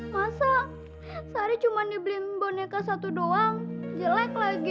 masa sehari cuma dibeli boneka satu doang jelek lagi